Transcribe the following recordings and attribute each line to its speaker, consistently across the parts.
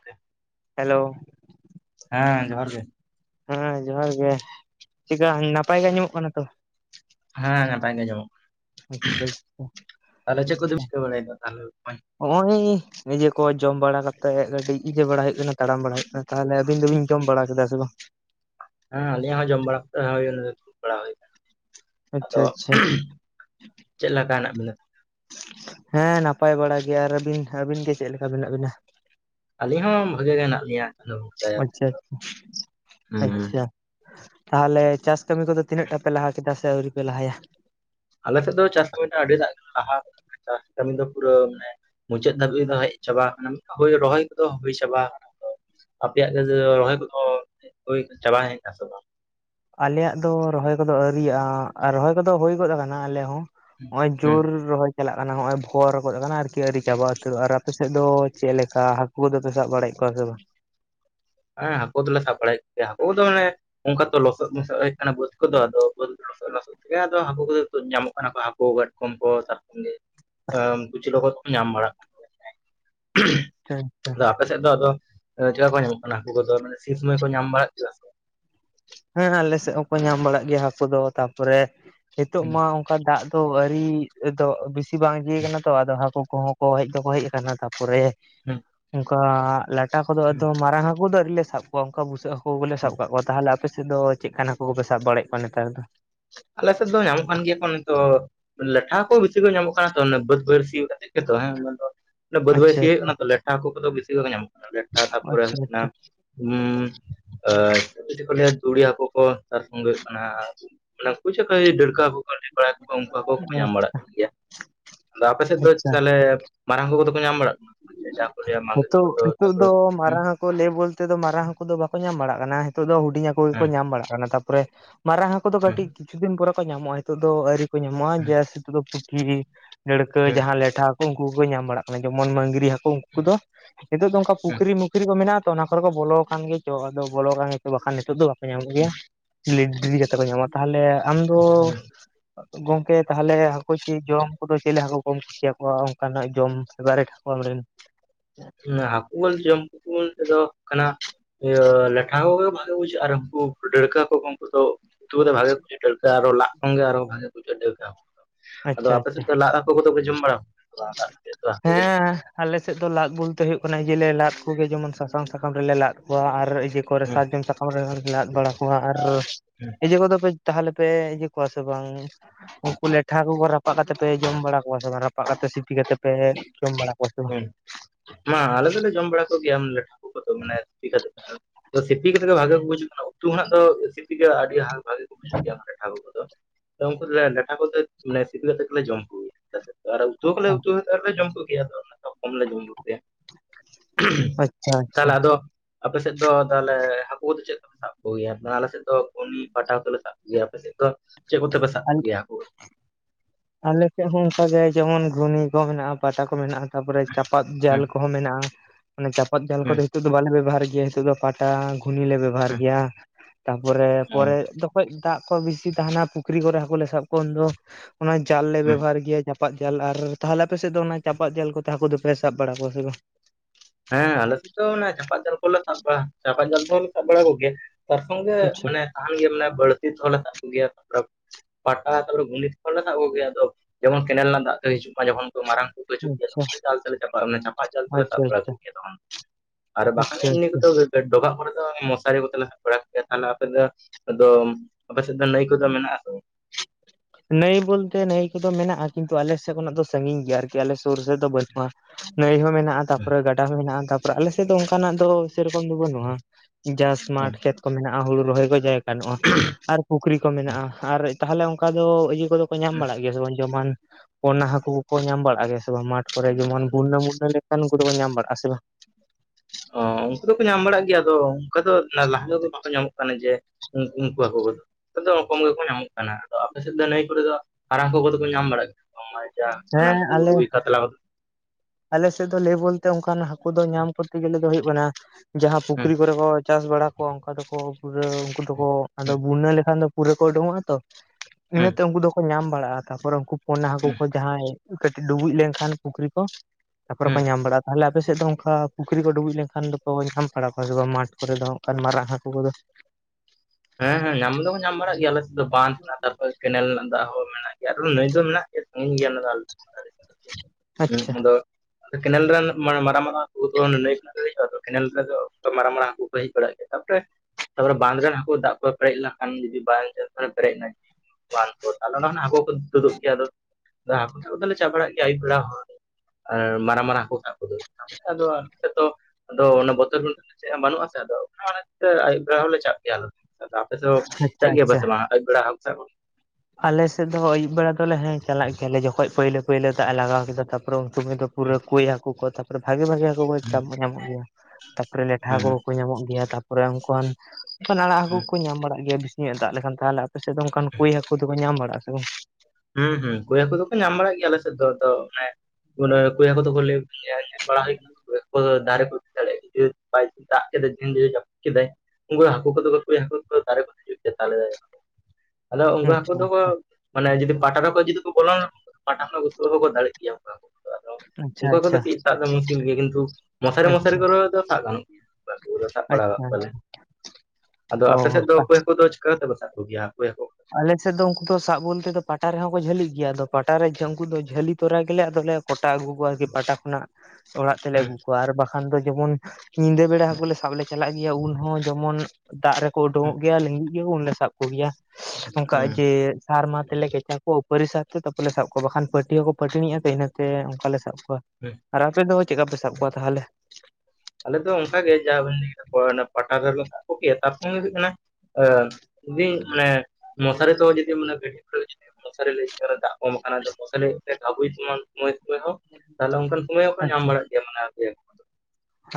Speaker 1: [unintelligible]
Speaker 2: Hello
Speaker 1: ᱦᱮᱸ ᱡᱚᱦᱟᱨ ᱜᱮ
Speaker 2: ᱦᱮᱸ ᱡᱚᱦᱟᱨ ᱜᱮ ᱪᱮᱠᱟ ᱱᱟᱯᱟᱭ ᱜᱮ ᱟᱸᱡᱚᱢᱚᱜ ᱠᱟᱱᱟ ᱛᱚ
Speaker 1: ᱦᱮᱸ ᱱᱟᱯᱟᱭ ᱜᱮ ᱟᱸᱡᱚᱢᱚᱜ
Speaker 2: ᱟᱪᱪᱷᱟ ᱟᱪᱪᱷᱟ
Speaker 1: ᱛᱟᱦᱚᱞᱮ ᱪᱮᱫ ᱠᱚᱫᱚ ᱵᱤᱱ ᱪᱤᱠᱟ. ᱵᱟᱲᱟᱭ ᱫᱟ ᱛᱟᱦᱚᱞᱮ ᱵᱚᱠᱚᱧ
Speaker 2: ᱱᱚᱜᱚᱭ ᱱᱤᱡᱮ ᱠᱚ ᱡᱚᱢ ᱵᱟᱲᱟ ᱠᱟᱛᱮᱜ ᱠᱟᱹᱴᱤᱡᱽ ᱤᱭᱟᱹ ᱵᱟᱲᱟ ᱦᱩᱭᱩᱜ ᱠᱟᱱᱟ ᱛᱟᱲᱟᱢ ᱵᱟᱲᱟ ᱦᱩᱭᱩᱜ ᱠᱟᱱᱟ ᱛᱟᱦᱚᱞᱮ ᱟᱵᱤᱱ ᱫᱚᱵᱤᱱ ᱡᱚᱢ ᱵᱟᱲᱟ ᱠᱮᱫᱟ ᱥᱮ ᱵᱟᱝ?
Speaker 1: ᱦᱮᱸ ᱟᱞᱤᱧᱟᱜ ᱦᱚᱸ ᱡᱚᱢ ᱵᱟᱲᱟ ᱦᱩᱭ ᱠᱟᱛᱮ ᱡᱟᱯᱤᱫ ᱵᱟᱲᱟ ᱦᱩᱭᱱᱟ
Speaker 2: ᱟᱪᱪᱷᱟ
Speaker 1: ᱟᱫᱚ
Speaker 2: ᱟᱪᱪᱷᱟ
Speaker 1: ᱪᱮᱫ ᱞᱮᱠᱟ ᱦᱮᱱᱟᱸᱜ ᱵᱤᱱᱟ?
Speaker 2: ᱦᱮᱸ ᱱᱟᱯᱟᱭ ᱵᱟᱲᱟ ᱜᱮᱭᱟ ᱟᱨ ᱟᱹᱵᱤᱱ ᱟᱹᱵᱤᱱ ᱜᱮ ᱪᱮᱫ ᱞᱮᱠᱟ ᱢᱮᱱᱟᱜ ᱵᱤᱱᱟ᱾
Speaker 1: ᱟᱞᱤᱧ ᱦᱚᱸ ᱵᱷᱟᱜᱮ ᱜᱮ ᱦᱮᱱᱟᱜ ᱞᱤᱧᱟ᱾ ᱪᱟᱸᱫᱳ ᱵᱚᱸᱜᱟ ᱫᱟᱭᱟ ᱛᱮ᱾
Speaker 2: ᱟᱪᱪᱷᱟ ᱟᱪᱪᱷᱟ
Speaker 1: ᱦᱩᱸ
Speaker 2: ᱟᱪᱪᱷᱟ ᱛᱟᱦᱚᱞᱮ ᱪᱟᱥ ᱠᱟᱹᱢᱤ ᱠᱚᱫᱚ ᱛᱤᱱᱟᱹᱜ ᱴᱟ ᱯᱮ ᱞᱟᱦᱟ ᱠᱮᱫᱟ ᱥᱮ ᱟᱹᱣᱨᱤ ᱯᱮ ᱞᱟᱦᱟᱭᱟ?
Speaker 1: ᱟᱞᱮᱥᱮᱫ ᱫᱚ ᱪᱟᱥ ᱠᱟᱹᱢᱤ ᱫᱚ ᱟᱹᱰᱤ ᱞᱟᱜ ᱜᱮᱞᱮ ᱞᱟᱦᱟ ᱠᱟᱫᱟ ᱪᱟᱥ ᱠᱟᱹᱢᱤ ᱫᱚ ᱯᱩᱨᱟᱹ ᱢᱟᱱᱮ ᱢᱩᱪᱟᱹᱫ ᱫᱷᱟᱹᱵᱤᱡ ᱫᱚ ᱦᱮᱡ ᱪᱟᱵᱟᱣ ᱠᱟᱱᱟ ᱨᱚᱦᱚᱭ ᱠᱚᱫᱚ ᱦᱩᱭ ᱪᱟᱵᱟᱣ ᱠᱟᱱᱟ᱾ ᱟᱯᱮᱭᱟᱜ ᱜᱮ ᱨᱚᱦᱚᱭ ᱠᱚᱫᱚ ᱦᱩᱭ ᱪᱟᱵᱟ ᱦᱮᱡ ᱱᱟᱥᱮ ᱵᱟᱝ?
Speaker 2: ᱟᱞᱮᱭᱟᱜ ᱫᱚ ᱨᱚᱦᱚᱭ ᱠᱚᱫᱚ ᱟᱹᱣᱨᱤᱭᱟᱜ-ᱟ ᱟᱨ ᱨᱚᱦᱚᱭ ᱠᱚᱫᱚ ᱦᱩᱭ ᱜᱚᱫ ᱠᱟᱱᱟ ᱟᱞᱮ ᱦᱚᱸ᱾ ᱱᱚᱜ-ᱚᱭ
Speaker 1: ᱦᱩᱸ
Speaker 2: ᱡᱳᱨ ᱨᱚᱦᱚᱭ ᱪᱟᱞᱟᱜ ᱠᱟᱱᱟ ᱦᱚᱜ-ᱚᱭ ᱵᱷᱚᱨ ᱜᱚᱫ ᱠᱟᱱᱟ ᱟᱨᱠᱤ ᱟᱹᱣᱨᱤ ᱪᱟᱵᱟ ᱩᱛᱟᱹᱨᱚᱜ-ᱟ ᱟᱨ ᱟᱯᱮ ᱥᱮᱫ ᱫᱚ ᱪᱮᱫ ᱞᱮᱠᱟ ᱦᱟᱠ ᱠᱩ ᱫᱚᱯᱮ ᱥᱟᱵ ᱵᱟᱲᱟᱭᱮᱫ ᱠᱚᱣᱟ ᱥᱮ ᱵᱟᱝ?
Speaker 1: ᱦᱮᱸ ᱦᱟᱹᱠᱳ ᱫᱚᱞᱮ ᱥᱟᱯᱵᱟᱲᱟᱭᱮᱛ ᱠᱚᱜᱮᱭᱟ ᱦᱟᱠᱳ ᱠᱚ ᱫᱚ ᱢᱟᱱᱮ ᱚᱱᱠᱟ ᱛᱚ ᱞᱚᱥᱚᱫ ᱢᱚᱥᱚᱫ ᱦᱳᱭᱳᱜ ᱠᱟᱱᱟ ᱵᱟᱹᱫᱽ ᱠᱚᱫᱚ ᱟᱫᱚ ᱵᱟᱹᱫᱽ ᱠᱚ ᱞᱚᱥᱚᱫ ᱞᱚᱥᱚᱫ ᱛᱚᱵᱮ ᱟᱫᱚ ᱦᱟᱹᱠᱩ ᱠᱚᱫᱚ ᱠᱚ ᱧᱟᱢᱚᱜ ᱠᱟᱱᱟ ᱠᱚ ᱦᱟᱹᱠᱳ ᱠᱟᱴᱠᱚᱢ ᱠᱚ ᱠᱟᱴᱠᱚᱢ ᱜᱮ᱾ ᱮᱸ ᱠᱩᱪᱞᱟᱹ ᱠᱚᱫᱚ ᱠᱚ ᱧᱟᱢ ᱵᱟᱲᱟᱜ ᱠᱟᱱ ᱜᱮᱭᱟ ᱛᱟᱸᱦᱮᱫ,
Speaker 2: ᱟᱪᱪᱷᱟ ᱟᱪᱪᱷᱟ
Speaker 1: ᱟᱫᱚ ᱟᱯᱮᱥ ᱥᱮᱜ ᱫᱚ ᱟᱫᱚ ᱟᱹ ᱪᱮᱠᱟ ᱠᱚ ᱧᱟᱢᱚᱜ ᱠᱟᱱᱟ ᱦᱟᱠᱩ ᱠᱚᱫᱚ ᱢᱟᱱᱮ ᱥᱤᱱ ᱥᱩᱢᱚᱭ ᱠᱚ ᱧᱟᱢ ᱵᱟᱲᱟᱜ ᱜᱮᱭᱟ ᱥᱮ
Speaker 2: ᱦᱮᱸ ᱟᱞᱮ ᱥᱮᱜ ᱦᱚᱸᱠᱚ ᱧᱟᱢ ᱵᱟᱲᱟᱜ ᱜᱮᱭᱟ ᱦᱟᱹᱠᱳ ᱫᱚ ᱛᱟᱯᱚᱨᱮ ᱱᱤᱛᱚᱜ
Speaker 1: ᱦᱩᱸ
Speaker 2: ᱢᱟ ᱚᱱᱠᱟ ᱫᱟᱜᱽ ᱫᱚ ᱟᱹᱨᱤ ᱫᱚ ᱵᱤᱥᱤ ᱵᱟᱝ ᱤᱭᱟᱹᱭ ᱠᱟᱱᱟ ᱛᱚ ᱟᱫᱚ ᱦᱟᱹᱠᱳ ᱠᱚᱦᱚᱸ ᱠᱚ ᱦᱮᱡ ᱫᱚᱠᱚ ᱦᱮᱡ ᱟᱠᱟᱱᱟ ᱛᱟᱯᱚᱨᱮ
Speaker 1: [inaudible]
Speaker 2: ᱠᱟ ᱞᱮᱴᱟ ᱠᱚᱫᱚ
Speaker 1: ᱦᱩᱸ
Speaker 2: ᱟᱫᱚ ᱢᱟᱨᱟᱝ ᱦᱟᱹᱠᱩ ᱫᱚ ᱟᱹᱣᱨᱤ ᱞᱮ ᱥᱟᱵ ᱠᱚᱣᱟ ᱚᱱᱠᱟ ᱵᱩᱥᱟᱹᱜ ᱦᱟᱹᱠᱩ ᱜᱮᱞᱮ ᱥᱟᱵᱽ
Speaker 1: ᱦᱩᱸ
Speaker 2: ᱠᱟᱜ ᱠᱚᱣᱟ ᱛᱟᱦᱚᱞᱮ ᱟᱯ ᱯᱮᱥᱮᱫ ᱫᱚ ᱪᱮᱜᱠᱟᱱ ᱦᱟᱹᱠᱩ ᱠᱚᱯᱮ ᱥᱟᱵᱽ ᱵᱟᱲᱟᱭᱮᱫ ᱠᱚᱣᱟ ᱱᱮᱛᱟᱨ ᱫᱚ?
Speaker 1: ᱟᱞᱮ ᱥᱮᱫ ᱫᱚ ᱧᱟᱢᱚᱜ ᱠᱟᱱ ᱜᱮᱭᱟ ᱠᱚ ᱱᱤᱛᱫᱚ ᱞᱮᱴᱷᱟ ᱦᱟᱠᱩ ᱵᱤᱥᱤ ᱠᱚ ᱧᱟᱢᱚᱜ ᱠᱟᱱᱟ ᱛᱚ ᱚᱱᱟ ᱵᱟᱹᱫᱽ ᱵᱟᱹᱭᱦᱟᱹᱬ ᱥᱤ ᱠᱟᱛᱮᱜ᱾ ᱛᱚ ᱦᱮᱸ ᱚᱱᱟ ᱵᱟᱹᱫᱽ ᱵᱟᱹᱭᱦᱟᱹᱬ
Speaker 2: ᱟᱪᱪᱷᱟ
Speaker 1: ᱥᱤ ᱦᱳᱭᱩᱜ ᱠᱟᱱᱟ ᱛᱚ ᱞᱮᱴᱷᱟ ᱦᱟᱠᱩ ᱠᱚᱫᱚ ᱵᱤᱥᱤ ᱜᱮ ᱠᱚ ᱧᱟᱢᱚᱜ ᱞᱮᱴᱟᱱ ᱛᱟ ᱯᱚᱨᱮ
Speaker 2: ᱟᱪᱪᱷᱟ
Speaker 1: ᱦᱤᱥ ᱠᱟᱱᱟ
Speaker 2: ᱟᱪᱪᱷᱟ
Speaker 1: ᱦᱮ ᱪᱮᱫ ᱠᱚᱪᱚ ᱠᱚ ᱞᱟᱹᱭᱟ ᱫᱩᱲᱤ ᱦᱟᱹᱠᱳ ᱠᱚ ᱛᱟᱨ ᱥᱚᱝᱜᱮ ᱦᱩᱭᱩᱜ ᱠᱟᱱᱟ ᱢᱟᱱᱟ ᱠᱩᱪᱮᱠᱟᱹᱭ ᱰᱟᱹᱬᱠᱟᱹ ᱦᱟᱹᱠᱩ ᱠᱚ ᱞᱟᱹᱭ ᱵᱟᱲᱟ ᱠᱚᱣᱟ ᱩᱱᱠᱩ ᱦᱟᱠᱩ ᱠᱚ ᱧᱟᱢ ᱵᱟᱲᱟᱜ ᱠᱟᱱ ᱜᱮᱭᱟ ᱟᱫᱚ ᱟᱯᱮ ᱥᱮᱫ ᱫᱚ
Speaker 2: ᱟᱪᱪᱷᱟ
Speaker 1: ᱪᱟᱦᱞᱮ ᱢᱟᱨᱟᱝ ᱦᱟᱹᱠᱩ ᱠᱚᱫᱚ ᱠᱚ ᱧᱟᱢ ᱵᱟᱲᱟᱜ ᱠᱟᱱᱟ ᱡᱟᱦᱟᱸ ᱠᱚ ᱞᱟᱹᱭᱟ ᱢᱟᱜᱽᱨᱤ ᱠᱚᱫᱚ ᱛᱟᱯᱚᱨᱮ ᱦᱩ
Speaker 2: ᱠᱚ ᱞᱟᱹᱭ ᱵᱳᱞᱛᱮ ᱫᱚ ᱢᱟᱨᱟᱝ ᱦᱟᱹᱠᱩ ᱫᱚ ᱵᱟᱠᱚ ᱧᱟᱢ ᱵᱟᱲᱟᱜ ᱠᱟᱱᱟ ᱦᱤᱛᱚᱜ ᱫᱚ ᱦᱩᱰᱤᱧ ᱦᱟᱠᱩ ᱜᱮᱠᱚ
Speaker 1: ᱦᱮᱸ
Speaker 2: ᱧᱟᱢ ᱵᱟᱲᱟᱜ ᱠᱟᱱᱟ ᱛᱟᱯᱚᱨᱮ ᱢᱟᱨᱟᱝ ᱦᱟᱹᱠᱩ ᱫᱚ
Speaker 1: ᱦᱮᱸ
Speaker 2: ᱠᱟᱹᱴᱤᱡ ᱠᱤᱪᱷᱩ ᱫᱤᱱ ᱯᱚᱨᱮ ᱠᱚ ᱧᱟᱢᱚᱜ-ᱟ ᱦᱤᱛᱚᱜ ᱫᱚ ᱟᱹᱣᱨᱤ ᱠᱚ ᱧᱟᱢᱚᱜ-ᱟ ᱡᱟᱥ ᱦᱤᱛᱚᱜ ᱫᱚ ᱯᱩᱴᱷᱤ ᱰᱟᱹᱲᱠᱟᱹ
Speaker 1: ᱦᱮᱸ
Speaker 2: ᱡᱟᱦᱟ ᱞᱮᱴᱷᱟ ᱦᱟᱹᱠᱩ ᱩᱱᱠᱩ ᱠᱚᱠᱚ ᱧᱟᱢ ᱵᱟᱲᱟᱜ ᱠᱟᱱᱟ ᱡᱮᱢᱚᱱ ᱢᱟᱹᱜᱽᱨᱤ ᱦᱟᱹᱠᱩ ᱩᱱᱠᱩ ᱠᱚᱫᱚ ᱦᱤᱛᱚᱜ ᱫᱚ ᱚᱱᱠᱟ
Speaker 1: ᱦᱮᱸ
Speaker 2: ᱯᱩᱠᱷᱨᱤ ᱢᱩᱠᱷᱨᱤ ᱠᱚ ᱢᱮᱱᱟᱜ ᱟ ᱛᱚ ᱚᱱᱟ ᱠᱚᱨᱮ ᱠᱚ ᱵᱚᱞᱚ ᱠᱟᱱ ᱜᱮ ᱪᱚ ᱟᱫᱚ ᱵᱚᱞᱚ ᱠᱟᱱ ᱜᱮ ᱪᱚ ᱵᱟᱠᱷᱟᱱ ᱱᱤᱛᱚᱜ ᱫᱚ ᱵᱟ ᱧᱟᱢᱚᱜ ᱜᱮᱭᱟ ᱞᱤᱴ ᱰᱤᱨᱤ ᱠᱟᱛᱮ ᱠᱚ ᱧᱟᱢᱟ ᱛᱟᱦᱞᱮ ᱟᱢ ᱫᱚ ᱜᱚᱝᱠᱮ ᱛᱟᱦᱞᱮ ᱦᱟᱹᱠᱩ ᱪᱮ ᱡᱚᱢ ᱠᱚᱫᱚ ᱪᱮᱞᱮ ᱦᱟᱹᱠᱩ ᱠᱚᱢ ᱠᱩᱥᱤᱭᱟᱠᱚᱣᱟ ᱚᱱᱠᱟᱱᱟᱜ ᱡᱚᱢ ᱯᱷᱵᱟᱨᱮᱴ ᱦᱟᱠᱩ ᱟᱢᱨᱤᱱ?
Speaker 1: [unintelligible] ᱤᱭᱟᱹ ᱞᱮᱴᱷᱟ ᱦᱟᱠᱩ ᱜᱮ ᱵᱷᱟᱜᱮ ᱵᱩᱡᱷᱟᱹᱜ ᱟᱨ ᱩᱱᱠᱩ ᱰᱟᱹᱲᱠᱟᱹ ᱦᱟᱠᱩ ᱠᱚ ᱩᱱᱠᱩ ᱫᱚ ᱩᱛᱩ ᱠᱟᱛᱮ ᱵᱷᱟᱜᱮ ᱵᱩᱡᱷᱟᱹᱜ-ᱟ ᱟᱨᱚ ᱞᱟᱜ ᱥᱚᱸᱜᱮ ᱟᱨᱚ ᱵᱷᱟᱜᱮ ᱵᱩᱡᱷᱟᱹᱜ-ᱟ ᱰᱟᱹᱲᱠᱟᱹ ᱦᱟᱠᱩ ᱟᱫᱚ
Speaker 2: ᱟᱪᱪᱷᱟ
Speaker 1: ᱟᱯᱮ
Speaker 2: ᱟᱪᱪᱷᱟ
Speaker 1: ᱥᱮᱫ ᱫᱚ ᱞᱟᱫ ᱦᱟᱹᱠᱩ ᱠᱚᱫᱚ ᱯᱮ ᱡᱚᱢ ᱵᱟᱲᱟ ᱦᱟᱹᱠᱩ ᱠᱚᱫᱚ?
Speaker 2: ᱦᱮᱸ ᱟᱞᱮ ᱥᱮᱫ ᱫᱚ ᱞᱟᱫ ᱵᱚᱞᱛᱮ ᱦᱩᱭᱩᱜ ᱠᱟᱱᱟ ᱡᱮᱞᱮ ᱞᱟᱫ ᱠᱚᱜᱮ ᱡᱮᱢᱚᱱ ᱥᱟᱥᱟᱝ ᱥᱟᱠᱟᱢ ᱨᱮᱞᱮ ᱞᱟᱫ ᱠᱚᱣᱟ ᱟᱨ ᱤᱭᱮ ᱠᱚᱨᱮ
Speaker 1: ᱦᱮᱸ
Speaker 2: ᱥᱟᱨᱡᱚᱢ ᱥᱟᱠᱟᱢ ᱨᱮ ᱞᱟᱫ ᱵᱟᱲᱟ ᱠᱚᱣᱟ ᱟᱨ
Speaker 1: ᱦᱮᱸ
Speaker 2: ᱤᱡᱮ ᱠᱚᱫᱚ ᱯᱮ ᱛᱟᱦᱚᱞᱮ ᱯᱮ ᱤᱭᱟᱹ ᱠᱚᱣᱟ ᱥᱮ ᱵᱟᱝ ᱩᱱᱠᱩ ᱞᱮ ᱴᱷᱟ ᱦᱟᱹᱠᱩ ᱠᱚ ᱨᱟᱯᱟᱜ ᱠᱟᱛᱮᱜ ᱯᱮ ᱡᱚᱢ ᱵᱟᱲᱟ ᱠᱚᱣᱟ ᱥᱮ ᱵᱟᱝ ᱨᱟᱯᱟᱜ ᱠᱟᱛᱮ ᱥᱤᱯᱤ ᱠᱟᱛᱮ ᱯᱮ ᱡᱚᱢ ᱵᱟᱲᱟ ᱠᱚᱣᱟ ᱥᱮ ᱵᱟᱝ
Speaker 1: ᱦᱩᱸ, ᱢᱟ ᱟᱞᱮ ᱫᱚᱞᱮ ᱡᱚᱢ ᱵᱟᱲᱟ ᱠᱚᱜᱮᱭᱟ ᱦᱟᱹᱠᱩ ᱠᱚᱫᱚ ᱢᱟᱱᱮ ᱥᱤᱯᱤ ᱠᱟᱛᱮᱜ ᱥᱤᱯᱤ ᱠᱟᱛᱮ ᱜᱮ ᱵᱷᱟᱜᱮ ᱠᱚ ᱵᱩᱡᱩᱜ ᱠᱟᱱᱟ, ᱩᱛᱩ ᱠᱷᱚᱱᱟᱜ ᱫᱚ ᱥᱤᱯᱤ ᱜᱮ ᱟᱹᱰᱤ ᱵᱷᱟᱜᱤ ᱠᱚ ᱵᱩᱡᱷᱟᱹᱜ ᱜᱮᱭᱟ ᱚᱱᱟ ᱞᱮᱴᱷᱟᱹ ᱦᱟᱹᱠᱩ ᱠᱚᱫᱚ ᱩᱱᱠᱩ ᱞᱮᱴᱷᱟ ᱠᱚᱫᱚ ᱢᱟᱱᱮ ᱥᱤᱯᱤ ᱠᱟᱛᱮ ᱜᱮᱞᱮ ᱡᱚᱢ ᱠᱚ ᱜᱮᱭᱟ᱾ᱪᱮᱫᱟᱜ ᱥᱮ ᱟᱨ ᱩᱛᱩ ᱠᱚᱞᱮ ᱩᱛᱩ ᱠᱟᱛᱮᱞᱮ ᱡᱚᱢ ᱠᱚ ᱜᱮᱭᱟ ᱛᱚ ᱠᱚᱢᱞᱮ ᱡᱚᱢ
Speaker 2: ᱟᱪᱪᱷᱟ ᱟᱪᱪᱷᱟ
Speaker 1: ᱠᱚᱜᱮᱭᱟ᱾ᱛᱟᱦᱞᱮ ᱟᱫᱚ ᱟᱯᱮ ᱥᱮᱫ ᱫᱚ ᱛᱟᱦᱚᱞᱮ ᱦᱟᱹᱠᱩ ᱠᱚ ᱫᱚ ᱪᱮᱫ ᱥᱟᱵ ᱠᱚ ᱜᱮᱭᱟ, ᱟᱞᱮ ᱥᱮᱫ ᱫᱚ ᱜᱷᱩᱱᱤ ᱯᱟᱴᱟᱣ ᱠᱟᱛᱮ ᱞᱮ ᱥᱟᱵ ᱠᱚ ᱜᱮᱭᱟᱞᱮ, ᱟᱯᱮ ᱥᱮᱫ ᱫᱚ ᱪᱮᱫ ᱠᱚᱛᱮ ᱯᱮ ᱥᱟᱵ
Speaker 2: ᱟᱞ
Speaker 1: ᱜᱮᱭᱟ ᱦᱟᱹᱠᱩ?
Speaker 2: ᱟᱞᱮ ᱥᱮᱫ ᱦᱚᱸ ᱚᱱᱠᱟ ᱜᱮ ᱡᱮᱢᱚᱱ ᱜᱷᱩᱱᱤ ᱠᱚ ᱢᱮᱱᱟᱜᱼᱟ ᱯᱟᱴᱟ ᱠᱚ ᱢᱮᱱᱟᱜ ᱾ ᱛᱟᱯᱚᱨᱮ ᱪᱟᱯᱟᱫ ᱡᱟᱞ
Speaker 1: ᱦᱮᱸ
Speaker 2: ᱠᱚᱦᱚᱸ ᱢᱮᱱᱟᱜᱼᱟ ᱾ ᱟᱱᱮ ᱪᱟᱯᱟᱫ ᱡᱟᱞ
Speaker 1: ᱦᱮᱸ
Speaker 2: ᱠᱚᱫᱚ ᱱᱤᱛᱚᱜ ᱫᱚ ᱵᱟᱞᱮ ᱵᱮᱵᱚᱦᱟᱨ ᱜᱮᱭᱟ ᱾ ᱱᱤᱛᱚᱜ ᱫᱚ ᱯᱟᱴᱟ ᱜᱷᱩᱱᱤ ᱞᱮ ᱵᱮᱵᱚᱦᱟᱨ
Speaker 1: ᱦᱮᱸ
Speaker 2: ᱜᱮᱭᱟ ᱾ ᱛᱟᱯᱚᱨᱮ ᱯᱚᱨᱮ
Speaker 1: ᱦᱮᱸ
Speaker 2: ᱫᱟᱜ ᱠᱚ ᱵᱮᱥᱤ ᱛᱟᱦᱮᱱᱟ ᱯᱩᱠᱷᱨᱤ ᱠᱚᱨᱮ ᱦᱟᱹᱠᱩ ᱞᱮ ᱥᱟᱵ ᱠᱚᱣᱟ, ᱩᱱ ᱫᱚ ᱚᱱᱟ ᱡᱟᱞ ᱞᱮ ᱵᱮᱵᱟᱨ ᱜᱮᱭᱟ᱾ ᱪᱟᱯᱟ ᱡᱟᱞ ᱾ ᱟᱨ ᱛᱟᱦᱚᱞᱮ ᱟᱯᱮ ᱥᱮᱫ ᱫᱚ ᱚᱱᱟ ᱪᱟᱯᱟᱫ ᱡᱟᱞ ᱠᱚᱛᱮ ᱦᱟᱹᱠᱩ ᱫᱚ ᱯᱮ ᱥᱟᱵ ᱵᱟᱲᱟ ᱠᱚᱣᱟ ᱥᱮ ᱵᱟᱝ?
Speaker 1: ᱦᱮᱸ, ᱟᱞᱮ ᱥᱮᱫ ᱫᱚ ᱮ ᱪᱟᱯᱟᱫ ᱡᱟᱞ ᱠᱚᱞᱮ ᱥᱟᱵ ᱵᱟᱲᱟ ᱪᱟᱯᱟᱫ ᱡᱟᱞ ᱛᱮᱦᱚᱞᱮ ᱥᱟᱵ ᱵᱟᱲᱟ ᱠᱚ ᱜᱮᱭᱟ ᱾ [unintelligible] ᱜᱮ
Speaker 2: ᱟᱪᱪᱷᱟ
Speaker 1: ᱢᱟᱱᱮ ᱛᱟᱦᱮᱱ ᱜᱮ ᱵᱟᱹᱲᱛᱤ ᱛᱮᱦᱚᱸ ᱞᱮ ᱥᱟᱵ ᱠᱚ ᱜᱮᱭᱟ ᱾ ᱯᱟᱴᱟ ᱛᱟᱯᱚᱨᱮ ᱜᱷᱩᱱᱤ ᱛᱮᱦᱚᱞᱮ ᱥᱟᱵ ᱠᱚ ᱜᱮᱭᱟ ᱟᱫᱚ ᱡᱮᱢᱚᱱ ᱠᱮᱱᱮᱞ ᱨᱮᱱᱟᱜ ᱫᱟᱜ ᱛᱮ ᱦᱤᱡᱩᱜᱼᱟ ᱡᱚᱠᱷᱚᱱ ᱩᱱᱠᱩ ᱢᱟᱨᱟᱝ ᱦᱟᱹᱠᱩ
Speaker 2: ᱟᱪᱪᱷᱟ
Speaker 1: [unintelligible] ᱪᱟᱯᱟᱫ ᱡᱟᱞ ᱠᱚᱛᱮ ᱥᱟᱵ
Speaker 2: ᱟᱪᱪᱷᱟ
Speaker 1: ᱵᱟᱲᱟ ᱠᱚᱜᱮᱼᱼ ᱟᱨ ᱵᱟᱠᱷᱟᱱ
Speaker 2: ᱟᱪᱪᱷᱟ
Speaker 1: ᱮᱢᱱᱤ
Speaker 2: ᱟᱪᱪᱷᱟ
Speaker 1: ᱛᱮᱫᱚ ᱰᱚᱵᱷᱟᱜ ᱠᱚᱨᱮ ᱫᱚ ᱢᱚᱥᱟᱨᱤ ᱠᱚᱛᱮ ᱞᱮ ᱥᱟᱵ ᱵᱟᱲᱟ ᱠᱚ ᱜᱮᱭᱟ ᱾ ᱛᱟᱦᱚᱞᱮ ᱟᱯᱮ ᱫᱚ ᱟᱫᱚ ᱟᱯᱮ ᱥᱮᱫ ᱱᱟᱹᱭ ᱠᱚᱫᱚ ᱢᱮᱱᱟᱜ-ᱟ ᱥᱮ ᱵᱟᱝ?
Speaker 2: ᱱᱟᱹᱭ ᱵᱚᱞᱛᱮ ᱱᱟᱹᱭ ᱠᱚᱫᱚ ᱢᱮᱱᱟᱜᱼᱟ ᱾ ᱠᱤᱱᱛᱩ ᱟᱞᱮ ᱥᱮᱫ ᱠᱷᱚᱱᱟᱜ ᱫᱚ ᱥᱟᱺᱜᱤᱧ ᱜᱮᱭᱟ ᱟᱨᱠᱤ, ᱟᱞᱮ ᱥᱩᱨ ᱥᱮᱫ ᱫᱚ ᱵᱟᱹᱱᱩᱜᱼᱟ ᱾ ᱱᱟᱹᱭ ᱦᱚᱸ ᱢᱮᱱᱟᱜᱼᱟ, ᱛᱟᱯᱚᱨᱮ ᱜᱟᱰᱟ ᱦᱚᱸ ᱢᱮᱱᱟᱜᱼᱟ, ᱛᱟᱯᱚᱨᱮ ᱟᱞᱮ ᱥᱮᱫ ᱫᱚ ᱚᱱᱠᱟᱱᱟᱜ ᱫᱚ ᱥᱮᱨᱚᱠᱚᱢ ᱫᱚ ᱵᱟᱹᱱᱩᱜᱼᱟ ᱾ ᱪᱟᱥ ᱢᱟᱴᱷ ᱠᱷᱮᱛ ᱠᱚ ᱢᱮᱱᱟᱜᱼᱟ, ᱦᱩᱲᱩ ᱨᱚᱦᱚᱭ ᱠᱚ ᱡᱟᱭᱜᱟ ᱵᱟᱱᱩᱜᱼᱟ ᱟᱨ ᱯᱩᱠᱷᱨᱤ ᱠᱚ ᱢᱮᱱᱟᱜᱼᱟ ᱟᱨ ᱛᱟᱦᱚᱞᱮ ᱚᱱᱠᱟ ᱫᱚ ᱦᱟᱹᱠᱩ ᱠᱚ ᱫᱚᱠᱚ ᱧᱟᱢ ᱵᱟᱲᱟᱜ ᱜᱮᱭᱟ ᱥᱮ ᱵᱟᱝ ᱡᱮᱢᱚᱱ ᱯᱚᱱᱟ ᱦᱟᱹᱠᱩ ᱠᱚᱠᱚ ᱧᱟᱢ ᱵᱟᱲᱟᱜ ᱜᱮᱭᱟ ᱥᱮ ᱵᱟᱝ ᱢᱟᱴᱷ ᱠᱚᱨᱮ ᱡᱮᱢᱚᱱ ᱵᱩᱱᱱᱟ ᱢᱩᱱᱱᱟᱹ ᱞᱮᱠᱟᱱ ᱠᱚᱫᱚ ᱧᱟᱢ ᱵᱟᱲᱟᱜ ᱟᱥᱮ ᱵᱟᱝ?
Speaker 1: ᱚ ᱩᱱᱠᱩ ᱫᱚᱠᱚ ᱧᱟᱢ ᱵᱟᱲᱟᱜ ᱜᱮᱭᱟ ᱾ ᱟᱫᱚ ᱚᱱᱠᱟ ᱫᱚ ᱞᱟᱦᱟ ᱫᱚ ᱵᱟᱠᱚ ᱧᱟᱢᱚᱜ ᱠᱟᱱᱟ, ᱡᱮ ᱩᱱᱠᱩ ᱦᱟᱹᱠᱩ ᱠᱚᱫᱚ ᱱᱤᱛᱚᱜ ᱫᱚ ᱠᱚᱢ ᱜᱮᱠᱚ ᱧᱟᱢᱚᱜ ᱠᱟᱱᱟ ᱾ ᱟᱫᱚ ᱟᱯᱮ ᱥᱮᱫ ᱫᱚ ᱱᱟᱹᱭ ᱠᱚᱨᱮ ᱫᱚ ᱦᱟᱲᱟ ᱦᱟᱹᱠᱩ ᱠᱚᱫᱚ ᱠᱚ ᱧᱟᱢ ᱵᱟᱲᱟᱜ ᱜᱮᱭᱟ ᱠᱚ? ᱡᱟ ᱠᱟᱱᱟ
Speaker 2: ᱦᱮᱸ ᱟᱞᱮ
Speaker 1: ᱨᱩᱭ ᱠᱟᱛᱞᱟ ᱠᱚᱫᱚ
Speaker 2: ᱟᱞᱮ ᱥᱮᱫ ᱫᱚ ᱞᱟᱹᱭ ᱵᱚᱞᱛᱮ ᱚᱱᱠᱟᱱ ᱦᱟᱹᱠᱩ ᱫᱚ ᱧᱟᱢ ᱠᱚᱨᱛᱮ ᱜᱮᱞᱮ ᱫᱚ ᱦᱩᱭᱩᱜ ᱠᱟᱱᱟ ᱡᱟᱦᱟᱸ
Speaker 1: ᱦᱮᱸ
Speaker 2: ᱯᱩᱠᱷᱨᱤ ᱠᱚᱨᱮ ᱠᱚ ᱪᱟᱥ ᱵᱟᱲᱟ ᱠᱚᱣᱟ, ᱚᱱᱠᱟ ᱫᱚᱠᱚ ᱯᱩᱨᱟᱹ ᱩᱱᱠᱩ ᱫᱚᱠᱚ ᱟᱫᱚ ᱵᱩᱱᱱᱟᱹ ᱞᱮᱠᱷᱟᱱ ᱫᱚ ᱯᱩᱨᱟᱹ ᱠᱚ ᱩᱰᱩᱝᱚᱜᱼᱟ ᱛᱚ
Speaker 1: ᱦᱮᱸ
Speaker 2: ᱤᱱᱟᱹᱛᱮ ᱩᱱᱠᱩ ᱫᱚᱠᱚ ᱧᱟᱢ ᱵᱟᱲᱟᱜᱼᱟ ᱛᱟᱯᱚᱨ ᱩᱱᱠᱩ ᱯᱚᱱᱟ ᱦᱟᱹᱠᱩ
Speaker 1: ᱦᱮᱸ
Speaker 2: ᱡᱟᱦᱟᱸᱭ ᱠᱟᱹᱴᱤᱡ ᱰᱩᱵᱩᱡ ᱞᱮᱱᱠᱷᱟᱱ ᱯᱩᱠᱷᱨᱤ ᱠᱚ ᱛᱟᱨᱯᱚᱨᱮ ᱠᱚ
Speaker 1: ᱦᱮᱸ ᱦᱮᱸ
Speaker 2: ᱧᱟᱢ ᱵᱟᱲᱟ ᱾ ᱛᱟᱦᱚᱞᱮ ᱟᱯᱮ ᱥᱮᱫ ᱫᱚ ᱚᱱᱠᱟ ᱯᱩᱠᱷᱨᱤ ᱠᱚ ᱰᱩᱵᱩᱡ ᱞᱮᱱᱠᱷᱟᱱ ᱫᱚᱠᱚ ᱧᱟᱢ ᱵᱟᱲᱟ ᱠᱚᱣᱟ ᱥᱮ ᱵᱟᱝ ᱢᱟᱴᱷ ᱠᱚᱨᱮ ᱫᱚ ᱚᱱᱠᱟᱱ ᱢᱟᱨᱟᱜ ᱦᱟᱹᱠᱩ ᱠᱚᱫᱚ?
Speaker 1: ᱦᱮᱸ ᱦᱮᱸ, ᱧᱟᱢ ᱫᱚ ᱧᱟᱢ ᱵᱟᱲᱟᱜ ᱜᱮᱭᱟ ᱾ ᱟᱞᱮ ᱥᱮᱫ ᱫᱚ ᱵᱟᱸᱫᱷ ᱛᱟᱨᱯᱚᱨᱮ ᱠᱮᱱᱮᱞ ᱨᱮᱱᱟᱜ ᱫᱟᱜ ᱦᱚᱸ ᱢᱮᱱᱟᱜ ᱜᱮᱭᱟ ᱟᱨ ᱱᱟᱹᱭ ᱫᱚ ᱢᱮᱱᱟᱜ
Speaker 2: ᱟᱪᱪᱷᱟ
Speaker 1: [inaudible] ᱠᱮᱱᱮᱞ ᱨᱮᱱ ᱢᱟᱨᱟᱝ ᱢᱟᱨᱟᱝ ᱦᱟᱹᱠᱩ ᱫᱚ ᱱᱟᱹᱭ ᱠᱷᱚᱱᱟᱜ ᱠᱚ ᱦᱤᱡᱩᱜᱼᱟ ᱛᱚ, ᱠᱮᱱᱮᱞ ᱨᱮᱫᱚ ᱢᱟᱨᱟᱝ ᱢᱟᱨᱟᱝ ᱦᱟᱹᱠᱩ ᱠᱚ ᱦᱮᱡ ᱵᱟᱲᱟᱜ ᱜᱮᱭᱟ ᱾ ᱛᱟᱯᱚᱨᱮ ᱛᱟᱯᱚᱨᱮ ᱵᱟᱸᱫᱽ ᱨᱮᱱ ᱦᱟᱹᱠᱩ ᱫᱟᱜ ᱠᱚ ᱯᱮᱨᱮᱡ ᱞᱮᱱᱠᱷᱟᱱ ᱡᱩᱫᱤ ᱵᱟᱸᱫᱽ ᱯᱮᱨᱮᱡ ᱮᱱᱟᱭ ᱵᱟᱸᱫᱽ ᱠᱚ ᱛᱟᱦᱚᱞᱮ ᱚᱱᱟ ᱠᱷᱚᱱᱟᱜ ᱦᱟᱹᱠᱩ ᱠᱚ ᱛᱩᱫᱩᱜ ᱜᱮᱭᱟ, ᱟᱫᱚ ᱦᱟᱹᱠᱩ ᱫᱚᱞᱮ ᱪᱟ ᱵᱟᱲᱟᱜ ᱜᱮᱭᱟ ᱟᱹᱭᱩᱵ ᱵᱮᱲᱟ ᱦᱚ ᱟᱨ ᱢᱟᱨᱟᱝ ᱢᱟᱨᱟᱝ ᱦᱟᱹᱠᱩ ᱥᱟᱵ ᱠᱚᱫᱚ ᱟᱫᱚ ᱡᱚᱛᱚ ᱟᱫᱚ ᱚᱱᱟ ᱵᱚᱛᱚᱨ [unintelligible] ᱫᱚ ᱪᱮᱫ ᱦᱚᱸ ᱵᱟᱹᱱᱩᱜ ᱟᱥᱮ ᱟ ᱚᱱᱟ ᱛᱮ ᱟᱹᱭᱩᱵ ᱵᱮᱲᱟ ᱦᱚᱸᱞᱮ ᱪᱟ ᱜᱮᱭ ᱟᱞᱮ ᱫᱚ ᱟᱯᱮ ᱥᱮᱫ
Speaker 2: ᱟᱪᱪᱷᱟ
Speaker 1: ᱪᱟᱞᱟᱜ ᱜᱮᱭᱟ ᱯᱮ
Speaker 2: ᱟᱪᱪᱷᱟ
Speaker 1: ᱟᱹᱭᱩᱵ ᱵᱮᱲᱟ ᱦᱟᱹᱠᱩ ᱥᱟᱵ?
Speaker 2: ᱟᱞᱮ ᱥᱮᱫ ᱫᱚ ᱟᱹᱭᱩᱵ ᱵᱮᱲᱟ ᱫᱚᱞᱮ ᱦᱮᱸ ᱪᱟᱞᱟᱜ ᱜᱮᱭᱟ ᱞᱮ ᱡᱚᱠᱷᱚᱡ ᱯᱳᱭᱞᱳ ᱯᱳᱭᱞᱳ ᱫᱟᱜ ᱮ ᱞᱟᱜᱟᱣ ᱠᱮᱫᱟ ᱛᱟ ᱩᱱ ᱥᱚᱢᱚᱭ ᱫᱚ ᱯᱩᱨᱟᱹ ᱠᱩᱭ ᱦᱟᱹᱠᱩ ᱠᱚ ᱛᱟᱯᱚᱨᱮ ᱵᱷᱟᱜᱮ ᱵᱷᱟᱜᱮ ᱦᱟᱹᱠᱩ [unintelligible] ᱧᱟᱢᱚᱜ ᱜᱮᱭᱟ ᱛᱟᱯᱚᱨᱮ ᱞᱮᱴᱷᱟ ᱠᱚ ᱠᱚ ᱧᱟᱢᱚᱜ ᱜᱮᱭᱟ ᱛᱟ ᱯᱚᱨᱮ ᱚᱱᱠᱟᱱ ᱟᱲᱟᱜ ᱦᱟᱹᱠᱩ ᱠᱚ ᱧᱟᱢ ᱵᱟᱲᱟᱜ ᱜᱮᱭᱟ ᱵᱮᱥᱤ ᱫᱟᱜ ᱞᱮᱠᱷᱟᱱ ᱛᱟᱦᱚᱞᱮ ᱟᱯᱮ ᱥᱮᱫ ᱫᱚ ᱚᱱᱠᱟᱱ ᱠᱩᱭ ᱦᱟᱹᱠᱩ ᱩᱱᱠᱩ ᱫᱚ ᱠᱚ ᱧᱟᱢ ᱵᱟᱲᱟᱜᱼᱟ ᱥᱮ ᱵᱟᱝ?
Speaker 1: ᱦᱩᱸ ᱦᱩᱸ ᱠᱩᱭ ᱦᱟᱹᱠᱩ ᱫᱚ ᱠᱚ ᱧᱟᱢ ᱵᱟᱲᱟᱜ ᱜᱮᱭᱟ ᱟᱞᱮ ᱥᱮᱫ ᱫᱚ ᱟᱫᱚ ᱢᱟᱱᱮ ᱠᱚᱭ ᱦᱟᱹᱠᱩ ᱫᱚ ᱠᱚ ᱞᱟᱹᱭ [unintelligible] ᱫᱟᱨᱮ ᱠᱚ ᱤᱫᱤ ᱫᱟᱲᱮᱭᱟᱜ ᱜᱮᱭᱟ ᱫᱟᱜ ᱠᱮᱫᱟᱭ ᱧᱤᱫᱟᱹ ᱡᱟᱹᱯᱩᱫ ᱠᱮᱫᱟᱭ ᱩᱱᱠᱩ ᱦᱟᱹᱠᱩ ᱠᱚ ᱫᱚ ᱦᱟᱹᱠᱩ [unintelligible] ᱫᱟᱨᱮ [unintelligible] ᱟᱫᱚ ᱩᱱᱠᱩ ᱦᱟᱹᱠᱩ
Speaker 2: ᱟᱪᱪᱷᱟ
Speaker 1: ᱫᱚ ᱠᱚ ᱢᱟᱱᱮ ᱡᱩᱫᱤ ᱯᱟᱴᱟ ᱨᱮᱠᱚ ᱡᱩᱫᱤ ᱠᱚ ᱵᱚᱞᱚᱱᱟ ᱯᱟᱴᱟ ᱠᱷᱚᱱ ᱛᱳᱫ ᱦᱚᱸ ᱠᱚ ᱫᱟᱲᱮᱜ ᱜᱮᱭᱟ ᱚᱱᱠᱟ ᱫᱚ ᱩᱱᱠᱩ ᱠᱚ ᱫᱚ
Speaker 2: ᱟᱪᱪᱷᱟ
Speaker 1: ᱠᱤ ᱫᱟᱜ ᱫᱚ ᱢᱩᱥᱠᱤᱞ ᱜᱮᱭᱟ ᱠᱤᱱᱛᱩ ᱢᱚᱥᱟᱨᱤ ᱢᱚᱥᱟᱨᱤ
Speaker 2: ᱟᱪᱪᱷᱟ ᱟᱪᱪᱷᱟ
Speaker 1: ᱠᱚᱨᱮ ᱫᱚ ᱥᱟᱵ ᱜᱟᱱᱚᱜ ᱜᱮᱭᱟ ᱠᱚ ᱫᱚ ᱥᱟᱵ ᱵᱟᱲᱟ ᱠᱟᱜ ᱠᱚᱣᱟ ᱞᱮ
Speaker 2: ᱟᱪᱪᱷᱟ
Speaker 1: ᱟᱫᱚ
Speaker 2: ᱚ
Speaker 1: ᱟᱯᱮ ᱥᱮᱫ ᱫᱚ ᱠᱳᱭ ᱦᱟᱹᱠᱩ ᱫᱚ ᱪᱤᱠᱟᱹ ᱛᱮ ᱠᱚ ᱥᱟᱵ ᱠᱚ ᱜᱮᱭᱟ ᱠᱳᱭ ᱦᱟᱹᱠᱩ
Speaker 2: ᱟᱞᱮ ᱥᱮᱫ ᱫᱚ ᱩᱱᱠᱩ ᱫᱚ ᱥᱟᱵ ᱵᱚᱞᱛᱮ ᱫᱚ ᱯᱟᱴᱟ ᱨᱮᱦᱚᱸ ᱠᱚ ᱡᱷᱟᱹᱞᱤᱜ ᱜᱮᱭᱟ ᱟᱫᱚ ᱯᱟᱴᱟ ᱨᱮ ᱩᱱᱠᱩ ᱫᱚ ᱡᱷᱟᱹᱞᱤ ᱛᱚᱨᱟ ᱜᱮᱞᱮ ᱟᱫᱚ ᱞᱮ ᱠᱚᱴᱟ ᱟᱹᱜᱩ ᱠᱚᱣᱟ ᱟᱨ ᱠᱤ ᱯᱟᱴᱟ ᱠᱷᱚᱱᱟᱜ ᱚᱲᱟᱜ ᱛᱮ ᱞᱮ
Speaker 1: ᱦᱮᱸ
Speaker 2: ᱟᱹᱜᱩ ᱠᱚᱣᱟ ᱟᱨ ᱵᱟᱠᱷᱟᱱ ᱫᱚ ᱡᱮᱢᱚᱱ ᱧᱤᱫᱟᱹ ᱵᱮᱲᱟ ᱦᱟᱹᱠᱩ ᱞᱮ ᱥᱟᱵ ᱞᱮ ᱪᱟᱞᱟᱜ ᱜᱮᱭᱟ ᱩᱱ ᱦᱚᱸ ᱡᱮᱢᱚᱱ ᱫᱟᱜ ᱨᱮᱠᱚ
Speaker 1: ᱦᱮᱸ
Speaker 2: ᱩᱰᱩᱝᱚᱜ ᱜᱮᱭᱟ ᱞᱤᱸᱜᱤᱜ ᱜᱮᱭᱟ ᱠᱚ ᱩᱱ ᱞᱮ ᱥᱟᱵ ᱠᱚ ᱜᱮᱭᱟ᱾ ᱚᱱᱠᱟ
Speaker 1: ᱦᱮᱸ
Speaker 2: ᱡᱮ ᱥᱟᱨ ᱢᱟ ᱛᱮ ᱞᱮ ᱠᱮᱪᱟ ᱠᱚᱣᱟ ᱩᱯᱟᱹᱨᱤ ᱥᱟᱨ ᱛᱮ ᱛᱟᱯᱚᱨᱮ ᱥᱟᱵ ᱠᱚᱣᱟ ᱵᱟᱠᱷᱟᱱ ᱯᱟᱹᱴᱤ ᱦᱚᱸ ᱠᱚ ᱯᱟᱹᱴᱟᱹᱱᱤᱜᱼᱟ ᱤᱱᱟᱹ ᱛᱮ ᱚᱱᱠᱟ ᱞᱮ ᱥᱟᱵ ᱠᱚᱣᱟ᱾
Speaker 1: ᱦᱮᱸ
Speaker 2: ᱟᱨ ᱟᱯᱮ ᱫᱚ ᱪᱮᱠᱟ ᱯᱮ ᱥᱟᱵ ᱠᱚᱣᱟ ᱛᱟᱦᱟᱞᱮ?
Speaker 1: ᱟᱞᱮ ᱫᱚ ᱚᱱᱠᱟ ᱜᱮ ᱡᱟᱦᱟᱸ ᱵᱤᱱ ᱞᱟᱹᱭ [unintelligible] ᱯᱟᱴᱟ ᱨᱮ ᱞᱮ ᱥᱟᱵ ᱠᱚ ᱠᱮᱭᱟ ᱛᱟᱨᱥᱚᱝ ᱤᱫᱤᱜ ᱠᱟᱱᱟᱭ ᱟᱹ ᱡᱩᱫᱤ ᱢᱟᱱᱮ ᱢᱚᱥᱟᱨᱤ ᱫᱚ ᱡᱩᱫᱤ [unintelligible] ᱢᱟᱱᱮ ᱢᱚᱥᱟᱨᱤ ᱞᱮ ᱫᱟᱜ ᱠᱚ ᱮᱢ ᱟᱠᱟᱱᱟ ᱢᱚᱥᱟᱨᱤ ᱟᱹᱜᱩᱭ [unintelligible] ᱛᱟᱦᱟᱞᱮ ᱚᱱᱠᱟᱱ ᱥᱚᱢᱚᱭ ᱦᱚᱸ ᱠᱚ ᱧᱟᱢ
Speaker 2: ᱟᱪᱪᱷᱟ
Speaker 1: ᱵᱟᱲᱟᱜ ᱜᱮᱭᱟ ᱢᱟᱱᱮ ᱟᱨᱠᱤ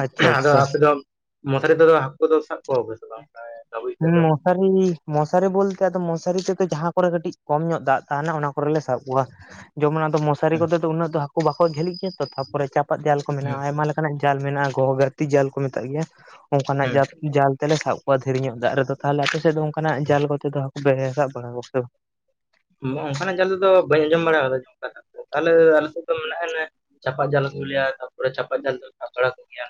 Speaker 2: ᱟᱪᱪᱷᱟ
Speaker 1: ᱟᱫᱚ
Speaker 2: ᱟᱪᱪᱷᱟ
Speaker 1: ᱟᱯᱮ ᱫᱚ ᱢᱚᱥᱟᱨᱤ ᱛᱮ ᱫᱚ ᱦᱟᱹᱠᱩ ᱫᱚ ᱥᱟᱵ ᱠᱚᱣᱟ ᱯᱮ ᱥᱮ ᱵᱟᱝ ᱜᱮ?
Speaker 2: ᱦᱮᱸ ᱢᱚᱥᱟᱨᱤ ᱢᱚᱥᱟᱨᱤ ᱵᱚᱞᱛᱮ ᱟᱫᱚ ᱢᱚᱥᱟᱨᱤ ᱛᱮ ᱫᱚ ᱡᱟᱦᱟᱸ ᱠᱚᱨᱮ ᱠᱟᱹᱴᱤᱡ ᱠᱚᱢ ᱧᱚᱜ ᱫᱟᱜ ᱛᱟᱦᱮᱱᱟ ᱚᱱᱟ ᱠᱚᱨᱮ ᱞᱮ ᱥᱟᱵ ᱠᱚᱣᱟ ᱡᱮᱢᱚᱱ ᱟᱫᱚ ᱢᱚᱥᱟᱨᱤ ᱠᱚᱛᱮ ᱫᱚ ᱩᱱᱟᱹᱜ ᱫᱚ ᱦᱟᱹᱠᱩ ᱵᱟᱠᱚ ᱡᱷᱟᱹᱞᱤᱜ ᱜᱮᱭᱟ ᱛᱚ ᱛᱟᱯᱚᱨᱮ ᱪᱟᱯᱟᱫ ᱡᱟᱞ ᱠᱚ ᱢᱮᱱᱟᱜᱼᱟ ᱟᱭᱢᱟ ᱞᱮᱠᱟ ᱱᱟᱜ ᱡᱟᱞ ᱢᱮᱱᱟᱜᱼᱟ ᱜᱚᱦᱚ ᱜᱟᱛᱤ ᱡᱟᱞ ᱠᱚ ᱢᱮᱛᱟᱜ ᱜᱮᱭᱟ ᱚᱱᱠᱟ ᱱᱟᱜ
Speaker 1: ᱦᱩᱸ
Speaker 2: ᱡᱟᱞ ᱡᱟᱞ ᱛᱮ ᱞᱮ ᱥᱟᱵ ᱠᱚᱣᱟ ᱫᱷᱤᱨᱤ ᱧᱚᱜ ᱫᱟᱜ ᱨᱮ ᱫᱚ ᱛᱟᱦᱟᱞᱮ ᱟᱯᱮ ᱥᱮᱫ ᱫᱚ ᱚᱱᱠᱟ ᱱᱟᱜ ᱡᱟᱞ ᱠᱚᱛᱮ ᱫᱚ ᱦᱟᱹᱠᱩ ᱥᱟᱵ ᱵᱟᱲᱟ ᱠᱚᱜᱮ ᱛᱚ?
Speaker 1: ᱚᱱᱠᱟ ᱱᱟᱜ ᱡᱟᱞ ᱛᱮ ᱫᱚ ᱵᱟᱹᱧ ᱟᱸᱡᱚᱢ ᱵᱟᱲᱟ ᱟᱠᱟᱫᱟ ᱡᱚᱢ ᱫᱚ ᱛᱟᱦᱞᱮ ᱟᱞᱮ ᱥᱮᱫ ᱫᱚ ᱢᱮᱱᱟᱜᱼᱟ ᱮᱱᱮ ᱪᱷᱟᱯᱟ ᱡᱟᱞ ᱠᱚ ᱞᱟᱹᱭᱟ ᱛᱟᱨᱯᱚᱨ ᱪᱷᱟᱯᱟ ᱡᱟᱞ ᱫᱚ ᱥᱟᱵ ᱵᱟᱲᱟ ᱠᱚ ᱜᱮᱭᱟ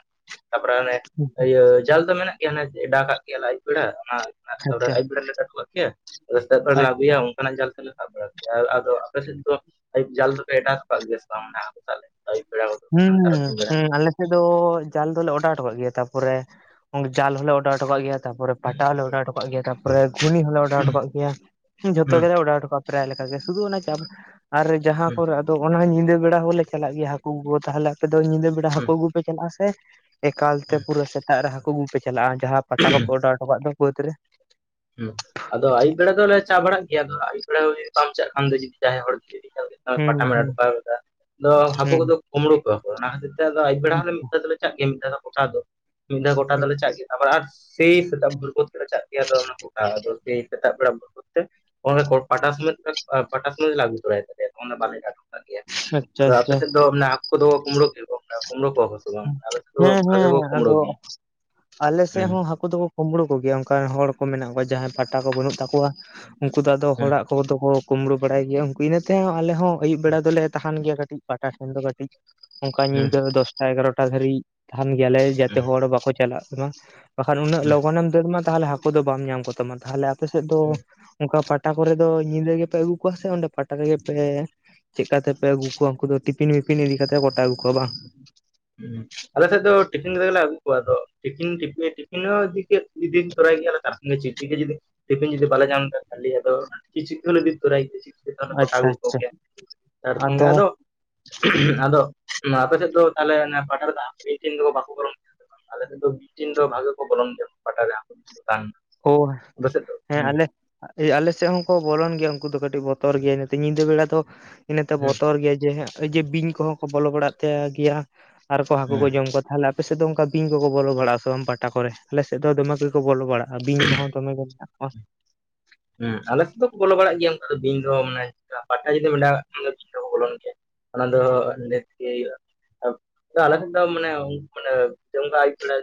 Speaker 1: ᱛᱟᱯᱚᱨᱮ ᱚᱱᱮ
Speaker 2: ᱵᱟᱝ
Speaker 1: ᱤᱭᱟᱹ ᱡᱟᱞ ᱫᱚ ᱢᱮᱱᱟᱜ ᱜᱮᱭᱟ ᱰᱟᱜᱟᱜ ᱜᱮᱭᱟ ᱟᱹᱭᱩᱵ ᱵᱮᱲᱟ ᱚᱱᱟ ᱛᱮ
Speaker 2: ᱟᱪᱪᱷᱟ
Speaker 1: ᱟᱹᱭᱩᱵ ᱵᱮᱲᱟ ᱞᱮ ᱠᱟᱹᱴᱩᱜ ᱟᱜ ᱪᱮ ᱨᱟᱹᱥᱠᱟᱹ ᱠᱚ ᱞᱮ
Speaker 2: ᱟᱪᱪᱷᱟ
Speaker 1: ᱟᱹᱜᱩᱭᱟ ᱚᱱᱠᱟ ᱱᱟᱜ ᱡᱟᱞ ᱥᱟᱲᱟ ᱟᱫᱚ ᱟᱯᱮ ᱥᱮᱫ ᱛᱚ ᱟᱹᱭᱩᱵ ᱡᱟᱞ ᱫᱚ ᱯᱮ ᱮᱴᱟᱜ ᱥᱮᱫ ᱟᱠᱟᱫ ᱜᱮᱭᱟ ᱥᱮ ᱵᱟᱝ ᱱᱟᱦᱟᱜ ᱦᱟᱹᱠᱩ ᱥᱟᱵ? ᱟᱹᱭᱩᱵ ᱵᱮᱲᱟ
Speaker 2: ᱦᱩᱸ
Speaker 1: ᱵᱟᱠᱷᱟᱱ ᱛᱟᱨᱟᱥᱤᱧ ᱵᱮᱲᱟ?
Speaker 2: ᱦᱩᱸ ᱟᱞᱮ ᱟᱞᱮ ᱫᱚ ᱡᱟᱞ ᱫᱚᱞᱮ ᱚᱰᱟᱣ ᱦᱚᱴᱚ ᱠᱟᱜ ᱜᱮᱭᱟ ᱛᱟᱯᱚᱨᱮ ᱚᱸᱰᱮ ᱡᱟᱞ ᱦᱚᱞᱮ ᱚᱰᱟᱣ ᱦᱚᱴᱚ ᱠᱟᱜ ᱜᱮᱭᱟ᱾ ᱛᱟᱨᱯᱚᱨᱮ ᱯᱟᱴᱟ ᱦᱚᱞᱮ ᱚᱰᱟᱣ ᱦᱚᱴᱚ ᱠᱟᱜ ᱜᱮᱭᱟ
Speaker 1: ᱦᱩᱸ
Speaker 2: ᱛᱟᱨᱯᱚᱨᱮ ᱜᱷᱩᱱᱤ ᱦᱚᱞᱮ ᱚᱰᱟᱣ ᱦᱚᱴᱚ ᱠᱟᱜ ᱜᱮᱭᱟ᱾ ᱡᱚᱛᱚ
Speaker 1: ᱦᱩᱸ
Speaker 2: ᱜᱮ ᱞᱮ ᱚᱰᱟᱣ ᱦᱚᱴᱚ ᱠᱟᱜᱼᱟ ᱯᱨᱟᱭ ᱞᱮᱠᱟ ᱜᱮ ᱥᱩᱫᱩ ᱚᱱᱟ ᱪᱟᱯ ᱟᱨ ᱡᱟᱦᱟᱸ
Speaker 1: ᱦᱩᱸ
Speaker 2: ᱠᱚᱨᱮ ᱟᱫᱚ ᱚᱱᱟ ᱧᱤᱫᱟᱹ ᱵᱮᱲᱟ ᱦᱚᱞᱮ ᱪᱟᱞᱟᱜ ᱜᱮᱭᱟ ᱦᱟᱹᱠᱩ ᱟᱹᱜᱩ ᱛᱟᱦᱚᱞᱮ ᱟᱯᱮ ᱫᱚ ᱧᱤᱫᱟᱹ ᱵᱮᱲᱟ
Speaker 1: ᱦᱩᱸ
Speaker 2: ᱦᱟᱹᱠᱩ ᱟᱹᱜᱩ ᱯᱮ ᱪᱟᱞᱟᱜᱼᱟ ᱥᱮ ᱮᱠᱟᱞ ᱛᱮ ᱯᱩᱨᱟᱹ ᱥᱮᱛᱟᱜ ᱨᱮ ᱦᱟᱹᱠᱩ ᱟᱹᱜᱩ ᱯᱮ ᱪᱟᱞᱟᱜᱼᱟ ᱡᱟᱦᱟᱸ ᱯᱟᱴᱟ ᱠᱚᱯᱮ ᱚᱰᱟᱣ ᱦᱚᱴᱚ ᱠᱟᱜ ᱫᱚ ᱵᱟᱹᱫᱽ ᱨᱮ?
Speaker 1: ᱦᱩᱸ ᱟᱫᱚ ᱟᱹᱭᱩᱵ ᱵᱮᱲᱟ ᱫᱚᱞᱮ ᱪᱟ ᱵᱟᱲᱟᱜ ᱜᱮᱭᱟ ᱟᱫᱚ ᱟᱹᱭᱩᱵ ᱵᱮᱲᱟ ᱦᱚᱸ ᱡᱩᱫᱤ ᱵᱟᱢ ᱪᱟᱜ ᱠᱷᱟᱱ ᱫᱚ ᱡᱩᱫᱤ ᱡᱟᱦᱟᱸᱭ ᱦᱚᱲ ᱜᱮ᱾
Speaker 2: ᱦᱩᱸ
Speaker 1: ᱯᱟᱴᱟ ᱢᱮᱲᱟ
Speaker 2: ᱦᱩᱸ
Speaker 1: ᱰᱷᱠᱟ ᱠᱟᱫᱟ ᱟᱫᱚ ᱦᱟᱹᱠᱩ ᱠᱚᱫᱚ
Speaker 2: ᱦᱩᱸ
Speaker 1: ᱠᱩᱸᱵᱽᱲᱩ ᱠᱚᱣᱟ ᱚᱱᱟ ᱠᱷᱟᱹᱛᱤᱨ ᱛᱮ ᱱᱮᱛ ᱫᱚ ᱟᱹᱭᱩᱵ ᱵᱮᱲᱟ ᱦᱚᱸ ᱞᱮ ᱢᱤᱫ ᱛᱮ ᱫᱚ ᱞᱮ ᱪᱟᱜ ᱜᱮᱭᱟ ᱢᱤᱫ ᱛᱮ ᱫᱚ ᱠᱚᱴᱟ ᱫᱚ᱾ ᱢᱤᱫ ᱫᱷᱟᱣ ᱜᱚᱴᱟ ᱫᱚᱞᱮ ᱪᱟᱜ ᱜᱮᱭᱟ ᱟᱨ ᱥᱮᱭ ᱥᱮᱛᱟᱜ [unintelligible] ᱛᱮ ᱞᱮ ᱪᱟᱜ ᱜᱮᱭᱟ ᱟᱫᱚ ᱟᱫᱚ ᱥᱮᱭ ᱥᱮᱛᱟᱜ ᱵᱮᱲᱟ [unintelligible] ᱠᱚᱛᱮ ᱯᱟᱴᱟ [unintelligible] ᱯᱟᱴᱟ [unintelligible] ᱟᱹᱜᱩ ᱛᱟᱨᱟᱭᱟ ᱛᱚᱵᱮ ᱚᱱ-ᱱᱟ ᱵᱟᱞᱮ ᱜᱟᱱ ᱟᱠᱟᱫ ᱜᱮᱭᱟ
Speaker 2: ᱟᱪᱪᱷᱟ
Speaker 1: ᱟᱫᱚ ᱟᱯᱮ
Speaker 2: ᱟᱪᱪᱷᱟ
Speaker 1: ᱥᱮᱫ ᱫᱚ ᱟᱠᱩ ᱫᱚ ᱠᱩᱸᱵᱽᱲᱩ ᱠᱤ ᱠᱚ ᱠᱩᱸᱵᱽᱲᱩ ᱠᱚᱣᱟ ᱠᱚ᱾ ᱥᱮ ᱵᱟᱝ ᱟᱞᱮ ᱥᱮᱫ ᱫᱚ
Speaker 2: ᱦᱮᱸ
Speaker 1: ᱵᱷᱟᱜᱮ
Speaker 2: ᱦᱮᱸ
Speaker 1: ᱠᱚ ᱠᱩᱢᱲᱩ
Speaker 2: ᱟᱫᱚ
Speaker 1: ᱜᱮᱭᱟ
Speaker 2: ᱟᱞᱮ ᱥᱮᱫ
Speaker 1: ᱦᱩᱸ
Speaker 2: ᱦᱚᱸ ᱦᱟᱹᱠᱩ ᱫᱚ ᱠᱚ ᱠᱩᱢᱵᱽᱲᱩ ᱠᱚ ᱜᱮᱭᱟ ᱚᱱᱠᱟ ᱦᱚᱲ ᱠᱚ ᱢᱮᱱᱟᱜ ᱠᱚᱣᱟ ᱡᱟᱦᱟᱸᱭ ᱯᱟᱴᱟ ᱠᱚ ᱵᱟᱹᱱᱩᱜ ᱛᱟᱠᱚᱣᱟ ᱩᱱᱠᱩ ᱫᱚ ᱟᱫᱚ
Speaker 1: ᱦᱩᱸ
Speaker 2: ᱦᱚᱲᱟᱜ [unintelligible] ᱫᱚᱠᱚ ᱠᱩᱢᱲᱩ ᱵᱟᱲᱟᱭ ᱜᱮᱭᱟ [unintelligible] ᱤᱱᱟᱹᱛᱮ ᱦᱟ ᱟᱞᱮ ᱦᱚᱸ ᱟᱹᱭᱩᱵ ᱵᱮᱲᱟ ᱫᱚᱞᱮ ᱛᱟᱦᱟᱱ ᱜᱮᱭᱟ ᱠᱟᱹᱴᱤᱡ [unintelligible] ᱮᱴᱟ ᱴᱷᱮᱱ ᱫᱚ ᱠᱟᱹᱴᱤᱡ ᱚᱱᱠᱟ
Speaker 1: ᱦᱩᱸ
Speaker 2: ᱧᱤᱫᱟᱹ ᱫᱚᱥᱴᱟ ᱮᱜᱟᱨᱚᱴᱟ ᱫᱷᱟᱹᱨᱤᱡ ᱛᱟᱦᱮᱱ ᱜᱮᱭᱟᱞᱮ ᱡᱟᱛᱮ
Speaker 1: ᱦᱩᱸ
Speaker 2: ᱦᱚᱲ ᱵᱟᱠᱚ ᱪᱟᱞᱟᱜ ᱢᱟ, ᱵᱟᱠᱷᱟᱱ ᱩᱱᱟᱹᱜ
Speaker 1: ᱦᱩᱸ
Speaker 2: ᱞᱚᱜᱚᱱᱮᱢ ᱫᱟᱹᱲ [unintelligible] ᱛᱟᱦᱚᱞᱮ ᱦᱟᱹᱠᱩ ᱫᱚ ᱵᱟᱢ ᱧᱟᱢ ᱠᱚᱛᱟᱢᱟ ᱛᱟᱦᱞᱮ ᱟᱯᱮ ᱥᱮᱫ ᱫᱚ ᱚᱱᱠᱟ ᱯᱟᱴᱟ ᱠᱚᱨᱮ ᱫᱚ ᱧᱤᱫᱟᱹ ᱜᱮᱯᱮ ᱟᱹᱜᱩ ᱠᱚᱣᱟ ᱥᱮ ᱚᱸᱰᱮ ᱯᱟᱴᱟ ᱨᱮᱜᱮ ᱯᱮ ᱪᱮᱫᱠᱟ ᱛᱮᱯᱮ ᱟᱹᱜᱩ ᱠᱚᱣᱟ ᱩᱱᱠᱩ ᱫᱚ ᱴᱤᱯᱤᱱ ᱢᱤᱯᱤᱱ ᱤᱫᱤ ᱠᱟᱛᱮ ᱠᱚ ᱜᱚᱴᱟ ᱟᱹᱜᱩᱣᱟ ᱵᱟᱝ?
Speaker 1: ᱦᱩᱸ ᱟᱞᱮ ᱥᱮᱫ ᱫᱚ ᱴᱤᱯᱷᱤᱱ ᱠᱟᱛᱮ ᱜᱮᱞᱮ ᱟᱹᱜᱩ ᱠᱚᱣᱟ ᱟᱫᱚ ᱴᱤᱯᱤᱱ [unintelligible] ᱴᱤᱯᱷᱤᱱ ᱦᱚᱸ ᱤᱫᱤ ᱠᱮᱫ ᱢᱤᱫ ᱫᱤᱱ ᱛᱚᱨᱟᱭ ᱜᱮᱭᱟᱞᱮ ᱛᱟᱨ ᱥᱚᱝᱜᱮ ᱪᱤᱠᱪᱤᱠᱤ ᱡᱩᱫᱤ ᱴᱤᱯᱷᱤᱱ ᱡᱩᱫᱤ ᱵᱟᱞᱮ [unintelligible] ᱟᱫᱚ [unintelligible] ᱠᱚᱴᱟ
Speaker 2: ᱟᱪᱪᱷᱟ
Speaker 1: ᱟᱜᱩ
Speaker 2: ᱟᱪᱪᱷᱟ
Speaker 1: ᱠᱚᱜᱮᱭᱟ ᱛᱟᱨ
Speaker 2: ᱟᱫᱚ
Speaker 1: ᱥᱚᱸᱝᱷᱮ ᱫᱚ ᱟᱫᱚ ᱟᱯᱮᱥᱮᱫ ᱫᱚ ᱛᱟᱦᱞᱮ ᱯᱟᱴᱟ ᱨᱮ [unintelligible] ᱟᱞᱮ ᱛᱮᱫᱚ ᱢᱤᱫᱴᱤᱱ ᱫᱚ ᱵᱷᱟᱜᱮ ᱠᱚ ᱵᱚᱞᱚᱱ ᱜᱮᱭᱟ ᱯᱟᱴᱟ [unintelligible] ᱵᱟᱝ
Speaker 2: ᱳ ᱦᱮᱸ ᱟᱞᱮ ᱟᱞᱮ ᱥᱮᱫ ᱦᱚᱸᱠᱚ ᱵᱚᱞᱚᱱ ᱜᱮᱭᱟ ᱩᱱᱠᱩ ᱫᱚ ᱠᱟᱹᱴᱤᱡ ᱵᱚᱛᱚᱨ ᱜᱮᱭᱟ ᱧᱤᱫᱟᱹ ᱵᱮᱲᱟ ᱫᱚ ᱤᱱᱟᱹᱛᱮ
Speaker 1: ᱦᱩᱸ
Speaker 2: ᱵᱚᱛᱚᱨ ᱜᱮᱭᱟ ᱡᱮ ᱡᱮ ᱵᱤᱧ ᱠᱚᱦᱚᱸ ᱠᱚ ᱵᱚᱞᱚ ᱵᱟᱲᱟᱜ ᱛᱟᱭ ᱜᱮᱭᱟ ᱟᱨ ᱠᱚ ᱦᱟᱹᱠᱩ
Speaker 1: ᱦᱩᱸ
Speaker 2: ᱠᱚ ᱡᱚᱢ ᱠᱚ [unintelligible] ᱟᱯᱮᱥᱮᱫ ᱫᱚ ᱚᱱᱠᱟ ᱵᱤᱧ ᱠᱚᱠᱚ ᱵᱚᱞᱚ ᱵᱟᱲᱟᱜ ᱥᱮ ᱵᱟᱝ ᱯᱟᱴᱟ ᱠᱚᱨᱮ? ᱟᱞᱮᱥᱮᱫ ᱫᱚᱢᱮ ᱜᱮᱠᱚ ᱵᱚᱞᱚ ᱵᱟᱲᱟᱜᱼᱟ᱾ ᱟ ᱵᱤᱱ ᱠᱚᱦᱚᱸ ᱫᱚᱢᱮ ᱜᱮ ᱢᱮᱱᱟᱜ ᱠᱚᱣᱟ᱾
Speaker 1: ᱦᱮᱸ ᱟᱞᱮ ᱥᱮᱫ ᱫᱚᱠᱚ ᱵᱚᱞᱚ ᱵᱟᱲᱟᱜ ᱜᱮᱭᱟ ᱚᱱᱠᱟ ᱫᱚ ᱵᱤᱧ ᱫᱚ ᱢᱟᱱᱮ ᱯᱟᱴᱟ ᱡᱩᱫᱤᱢ ᱮᱰᱟᱣ ᱠᱟᱜ [unintelligible] ᱵᱚᱞᱚᱱ ᱜᱤᱭᱟ, ᱚᱱᱟ ᱫᱚ [unintelligible] ᱟᱞᱮ ᱥᱮᱫ ᱫᱚ ᱢᱟᱱᱮ ᱢᱟᱱᱮ [unintelligible] ᱟᱭᱩᱵ ᱵᱮᱲᱟ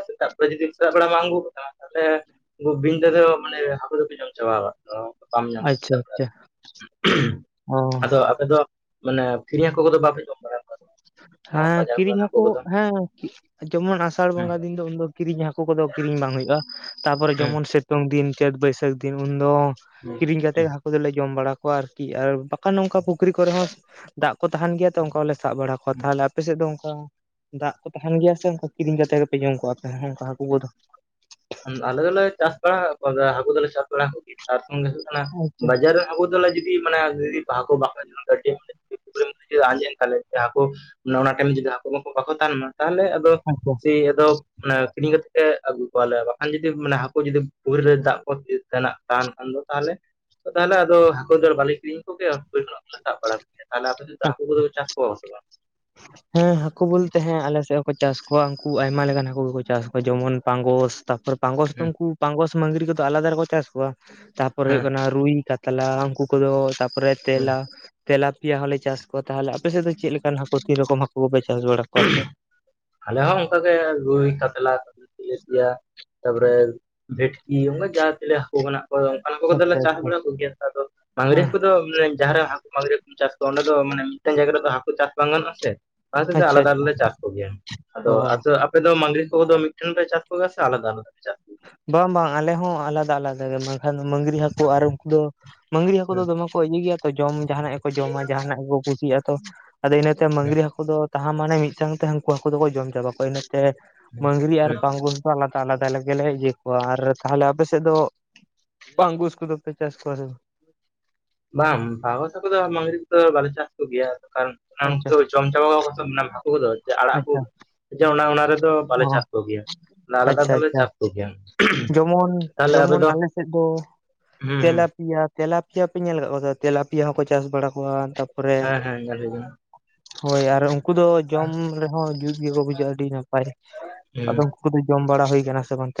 Speaker 1: [unintelligible] ᱡᱩᱫᱤ ᱥᱮᱛᱟᱜ ᱵᱮᱲᱟ ᱵᱟᱢ ᱟᱹᱜᱩ ᱠᱚ ᱛᱟᱦᱞᱮ [unintelligible] ᱵᱤᱧ [unintelligible] ᱢᱟᱱ ᱦᱟᱠᱳ ᱫᱚᱯᱚ ᱡᱚᱢ [unintelligible] ᱵᱟᱢ ᱧᱟᱢ ᱠᱚᱣᱟ
Speaker 2: ᱟᱪᱪᱷᱟ
Speaker 1: ᱥᱮᱛᱟᱜ ᱵᱮᱲᱟ
Speaker 2: ᱟᱪᱪᱷᱟ ᱚ᱾
Speaker 1: ᱟᱫᱚ ᱟᱯᱮ ᱫᱚ ᱢᱟᱱᱮ ᱠᱤᱨᱤᱧ ᱦᱟᱹᱠᱩ ᱠᱚᱫᱚ ᱵᱟᱯᱮ ᱡᱚᱢ ᱵᱟᱲᱟ ᱠᱚᱣᱟ ᱡᱮᱢᱚᱱ
Speaker 2: ᱦᱮᱸ
Speaker 1: ᱵᱟᱡᱟᱨ
Speaker 2: ᱠᱤᱨᱤᱧ
Speaker 1: ᱠᱚᱨᱮᱱ ᱦᱟᱹᱠᱩ
Speaker 2: ᱦᱟᱹᱠᱳ
Speaker 1: ᱠᱚᱫᱚ
Speaker 2: ᱦᱮᱸ ᱡᱮᱢᱚᱱ ᱟᱥᱟᱲ
Speaker 1: ᱦᱮᱸ
Speaker 2: ᱵᱚᱸᱜᱟ ᱫᱤᱱ ᱫᱚ ᱩᱱᱫᱚ ᱠᱤᱨᱤᱧ ᱦᱟᱹᱠᱳ ᱠᱚᱫᱚ ᱠᱤᱨᱤᱧ ᱵᱟᱝ ᱦᱳᱭᱳᱜᱼᱟ, ᱛᱟᱯᱚᱨᱮ
Speaker 1: ᱦᱮᱸ
Speaker 2: ᱡᱮᱢᱚᱱ ᱥᱮᱛᱳᱝ ᱫᱤᱱ ᱪᱟᱹᱛ ᱵᱟᱹᱭᱥᱟᱹᱠᱷ ᱫᱤᱱ ᱩᱱᱫᱚ
Speaker 1: ᱦᱮᱸ
Speaker 2: ᱠᱤᱨᱤᱧ ᱠᱟᱛᱮᱜ ᱦᱟᱹᱠᱳ ᱫᱚᱞᱮ ᱡᱚᱢ ᱵᱟᱲᱟ ᱠᱚᱣᱟ ᱟᱨᱠᱤ ᱟᱨ ᱵᱟᱠᱷᱟᱱ ᱱᱚᱝᱠᱟ ᱯᱩᱠᱷᱨᱤ ᱠᱚᱨᱮ ᱦᱚᱸ ᱫᱟᱜ ᱠᱚ ᱛᱟᱦᱮᱱ ᱜᱮᱭᱟ ᱛᱚ ᱚᱱᱠᱟ ᱦᱚᱞᱮ ᱥᱟᱵ ᱵᱟᱲᱟ ᱠᱚᱣᱟ᱾ ᱛᱟᱦᱚᱞᱮ ᱟᱯᱮᱥᱮᱫ ᱟ ᱫᱚ ᱚᱱᱠᱟ ᱫᱟᱜ ᱠᱚ ᱛᱟᱦᱮᱱ ᱜᱮᱭᱟ ᱥᱮ ᱚᱱᱠᱟ ᱠᱤᱨᱤᱧ ᱠᱟᱛᱮ ᱜᱮᱯᱮ ᱡᱚᱢ ᱠᱚᱜᱼᱟ, ᱟᱯᱮ ᱚᱱᱠᱟ ᱦᱟᱹᱠᱩ ᱠᱚᱫᱚ?
Speaker 1: ᱟᱞᱮ ᱫᱚᱞᱮ ᱪᱟᱥ ᱵᱟᱲᱟ [unintelligible] ᱛᱟᱨ ᱥᱚᱝᱜᱮ ᱦᱩᱭᱩᱜ ᱠᱟᱱᱟ
Speaker 2: ᱟᱪᱪᱷᱟ
Speaker 1: ᱵᱟᱡᱟᱨ [unintelligible] ᱡᱤᱫᱤ ᱢᱟᱱᱮ [unintelligible] [unintelligible] ᱟᱸᱡᱮᱜ ᱮᱱ ᱛᱟᱞᱮ [unintelligible] ᱦᱟᱠᱳ ᱚᱱᱟ ᱴᱟᱭᱤᱢ ᱡᱩᱫᱤ [unintelligible] ᱛᱟᱦᱮᱱ ᱞᱮᱱᱟ ᱛᱟᱦᱚᱞᱮ ᱟᱫᱚ
Speaker 2: ᱟᱪᱪᱷᱟ
Speaker 1: ᱪᱤ ᱟᱫᱚ ᱠᱤᱨᱤᱧ ᱠᱟᱛᱮᱜ ᱯᱮ ᱟᱹᱜᱩ ᱵᱟᱠᱷᱟᱱ ᱡᱩᱫᱤ ᱢᱟᱱᱮ ᱦᱟᱹᱠᱩ ᱡᱩᱫᱤ ᱵᱷᱳᱨ ᱨᱮ ᱫᱟᱜ ᱠᱚ [unintelligible] ᱛᱟᱦᱚᱞᱮ ᱛᱟᱦᱚᱞᱮ ᱟᱫᱚ ᱦᱟᱹᱠᱳ ᱫᱚ ᱵᱟᱞᱮ ᱠᱤᱨᱤᱧ ᱠᱚᱜᱮ [unintelligible] ᱠᱷᱚᱱᱟᱜᱞᱮ ᱥᱟᱵ ᱵᱟᱲᱟ ᱛᱟᱦᱞᱮ ᱟᱯᱮ [unintelligible] ᱪᱟᱥ ᱠᱚᱣᱟ ᱥᱮ ᱵᱟᱝ?
Speaker 2: ᱦᱮᱸ ᱦᱟᱹᱠᱩ ᱵᱚᱞᱛᱮ ᱦᱮᱸ ᱟᱞᱮᱥᱮᱫ ᱦᱚᱸᱠᱚ ᱪᱟᱥ ᱠᱚᱣᱟ ᱩᱱᱠᱩ ᱟᱭᱢᱟ ᱞᱮᱠᱟᱱ ᱦᱟᱠᱩ ᱜᱮᱠᱚ ᱪᱟᱥ ᱠᱚᱣᱟ ᱡᱮᱢᱚᱱ ᱯᱟᱝᱜᱚᱥ ᱛᱟᱯᱚᱨ ᱯᱟᱸᱜᱚᱥ ᱫᱚ
Speaker 1: ᱦᱮᱸ
Speaker 2: ᱩᱱᱠᱩ ᱯᱟᱜᱚᱸᱥ ᱢᱟᱝᱨᱤ ᱠᱚᱫᱚ ᱟᱞᱟᱫᱟ ᱨᱮᱠᱚ ᱪᱟᱥ ᱠᱚᱣᱟ ᱛᱟᱯᱚᱨ ᱦᱩᱭᱩᱜ
Speaker 1: ᱦᱮᱸ
Speaker 2: ᱠᱟᱱᱟ ᱨᱩᱭ ᱠᱟᱛᱞᱟ ᱩᱱᱠᱩ ᱠᱚᱫᱚ ᱛᱟᱨᱯᱚᱨᱮ ᱛᱮᱞᱟ ᱛᱮᱞᱟ ᱯᱤᱭᱟ ᱦᱚᱸᱞᱮ ᱪᱟᱥ ᱠᱚᱣᱟ᱾ ᱛᱟᱦᱚᱞᱮ ᱟᱯᱮ ᱥᱮᱫ ᱫᱚ ᱪᱮᱫ ᱞᱤᱠᱟᱱ ᱦᱟᱹᱠᱩ ᱛᱤ ᱨᱚᱠᱚᱢ ᱦᱟᱹᱠᱩ ᱜᱮᱯᱮ ᱪᱟᱥ ᱵᱟᱲᱟ ᱠᱚᱣᱟ ᱥᱮ?
Speaker 1: ᱟᱞᱮ ᱦᱚᱸ ᱚᱱᱠᱟᱜᱮ ᱨᱩᱭ ᱠᱟᱛᱞᱟᱞᱟ [unintelligible] ᱛᱮᱞᱮᱯᱮᱭᱟ, ᱛᱟᱯᱚᱨᱮ ᱵᱷᱮᱴᱠᱤ ᱚᱱᱠᱟ ᱡᱟ [unintelligible] ᱦᱟᱹᱠᱩ ᱢᱮᱱᱟᱜ ᱦᱳᱭ ᱚᱱᱠᱟᱱ ᱠᱚᱫᱚ ᱫᱮ
Speaker 2: ᱟᱪᱪᱷᱟ
Speaker 1: ᱪᱟᱥ
Speaker 2: ᱟᱪᱪᱷᱟ
Speaker 1: ᱵᱟᱲᱟ ᱠᱩ ᱜᱮᱭᱟ‌ ᱟᱫᱚ ᱢᱟᱜᱽᱨᱤ
Speaker 2: ᱦᱮᱸ
Speaker 1: ᱦᱟᱠᱩ ᱠᱚᱫᱚ ᱡᱟᱦᱟᱸᱨᱮ ᱦᱟᱹᱠᱩ ᱢᱟᱹᱜᱽᱨᱤ ᱠᱚᱢ ᱪᱟᱥ ᱠᱚᱣᱟ ᱚᱸᱰᱮ ᱫᱚ ᱢᱟᱱᱮ ᱢᱮᱫᱴᱮᱱ ᱡᱟᱭᱜᱟ ᱨᱮᱫᱚ ᱦᱟᱹᱠᱳ ᱪᱟᱥ ᱵᱟᱝ ᱜᱟᱱᱚᱜᱼᱟ ᱥᱮ ᱚᱱᱟ
Speaker 2: ᱟᱪᱪᱷᱟ
Speaker 1: ᱟᱞᱟᱫᱟ
Speaker 2: ᱟᱪᱪᱷᱟ
Speaker 1: ᱞᱮ ᱪᱟᱥ ᱠᱚᱜᱮᱭᱟ ᱟᱫᱚ
Speaker 2: ᱚ
Speaker 1: ᱟᱯᱮ ᱫᱚ ᱢᱟᱹᱜᱽᱨᱤ ᱠᱚᱫᱚ ᱢᱤᱫᱴᱷᱮᱱ ᱯᱮ ᱪᱟᱥ ᱠᱚᱜᱮ ᱥᱮ ᱟᱞᱟᱫᱟ ᱟᱞᱟᱫᱟ? [unintelligible]
Speaker 2: ᱵᱟᱝ ᱵᱟᱝ ᱟᱞᱮ ᱦᱚᱸ ᱟᱞᱟᱫᱟ ᱟᱞᱟᱫᱟ ᱜᱮ ᱵᱟᱝᱠᱷᱟᱱ ᱢᱟᱹᱝᱨᱤ ᱦᱟ [unintelligible] ᱟᱨ ᱩᱱᱠᱩ ᱫᱚ ᱢᱟᱹᱜᱽᱨᱤ ᱦᱟᱹᱠᱳ ᱫᱚ
Speaker 1: ᱦᱮᱸ
Speaker 2: ᱫᱚᱢᱮ ᱠᱚ ᱤᱭᱟᱹ ᱜᱮᱭᱟ ᱛᱚ ᱡᱚᱢ ᱡᱟᱦᱟᱱᱟᱜ ᱜᱮᱠᱚ ᱡᱚᱢᱟ ᱡᱟᱦᱟᱱᱟᱜ ᱜᱮᱠᱚ ᱠᱩᱥᱤᱭᱟᱜᱼᱟ᱾ ᱛᱚ ᱟᱫᱚ ᱤᱱᱟᱹᱛᱮ
Speaker 1: ᱦᱮᱸ
Speaker 2: ᱢᱟᱝᱨᱤ ᱦᱟᱹᱠᱩ ᱫᱚ ᱛᱟᱦᱮ ᱢᱟᱱᱮ ᱢᱤᱫ ᱥᱟᱶ ᱛᱮ ᱦᱟᱹᱱᱠᱩ ᱦᱟᱹᱠᱩ ᱫᱚᱠᱚ ᱡᱚᱢ ᱪᱟᱵᱟ ᱠᱚᱣᱟ ᱤᱱᱟᱹᱛᱮ ᱢᱟᱹᱝᱨᱤ ᱟᱨ
Speaker 1: ᱦᱮᱸ
Speaker 2: ᱯᱟᱜᱩᱥ ᱫᱚ ᱟᱞᱟᱫᱟ ᱞᱮ ᱜᱮᱞᱮ ᱤᱭᱟᱹ ᱠᱚᱣᱟ ᱟᱨ ᱛᱟᱦᱚᱞᱮ ᱟᱯᱮ ᱥᱮᱫ ᱫᱚ ᱯᱟᱝᱜᱩᱥ ᱠᱚᱫᱚ ᱯᱮ ᱪᱟᱥ ᱠᱚᱣᱟ ᱥᱮ ᱵᱟᱝ?
Speaker 1: ᱵᱟᱝ ᱯᱟᱜᱚᱸᱥ ᱦᱟᱠᱩ ᱫᱚ ᱢᱟᱸᱜᱽᱨᱤ ᱠᱚᱫᱚ ᱵᱟᱞᱮ ᱪᱟᱥ ᱠᱚᱜᱮᱭᱟ ᱠᱟᱨᱚᱱ
Speaker 2: ᱟᱪᱪᱷᱟ
Speaker 1: ᱩᱱᱠᱩ ᱡᱚᱢ ᱪᱟᱵᱟ ᱠᱚᱣᱟᱛᱚ ᱦᱟᱠᱳ ᱠᱚᱫᱚ ᱟᱲᱟᱜ ᱠᱚ
Speaker 2: ᱟᱪᱪᱷᱟ
Speaker 1: ᱡᱮ ᱚᱱᱟ ᱚᱱᱟ ᱨᱮᱫᱚ ᱵᱟᱞᱮ
Speaker 2: ᱚ
Speaker 1: ᱪᱟᱥ ᱠᱚᱜᱮᱭᱟ ᱟᱞᱮᱫᱟ
Speaker 2: ᱟᱪᱪᱷᱟ
Speaker 1: ᱫᱚᱞᱮ
Speaker 2: ᱟᱪᱪᱷᱟ
Speaker 1: ᱪᱟᱥ ᱠᱚ ᱜᱮᱭᱟ᱾
Speaker 2: ᱡᱮᱢᱚᱱ ᱡᱮᱢᱚᱱ ᱟᱞᱮᱥᱮᱫ ᱫᱚ
Speaker 1: ᱦᱩᱸ ᱦᱩᱸ
Speaker 2: ᱛᱮᱞᱟ ᱯᱮᱭᱟ ᱛᱮᱞᱟᱯᱮᱭᱟ ᱯᱮ ᱧᱮᱞ ᱟᱠᱟᱫ ᱠᱚᱣᱟ ᱛᱮᱞᱟ ᱯᱮᱭᱟ ᱦᱚᱸ ᱠᱚ ᱪᱟᱥ ᱵᱟᱲᱟ ᱠᱚᱣᱟ ᱛᱟᱯᱚᱨᱮ
Speaker 1: ᱦᱮᱸ ᱦᱮᱸ ᱧᱮᱧ ᱦᱩᱭ ᱠᱟᱱᱟ᱾
Speaker 2: ᱦᱳᱭ ᱟᱨ ᱩᱱᱠᱩ ᱫᱚ ᱡᱚᱢ ᱨᱮᱦᱚᱸ ᱡᱩᱛ ᱜᱮᱠᱚ ᱵᱩᱡᱷᱟᱹᱜᱼᱟ ᱟᱹᱰᱤ ᱱᱟᱯᱟᱭ
Speaker 1: ᱦᱩᱸ
Speaker 2: ᱟᱫᱚ ᱡᱚᱢ ᱵᱟᱲᱟ ᱦᱩᱭ ᱟᱠᱟᱱᱟ ᱥᱮ ᱵᱟᱝ?